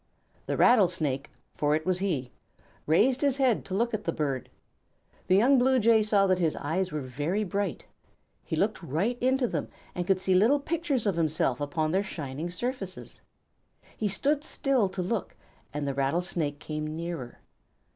The Rattlesnake, for it was he, raised his head to look at the bird. The young Blue Jay saw that his eyes were very bright. He looked right into them, and could see little pictures of himself upon their shining surfaces. He stood still to look, and the Rattlesnake came nearer.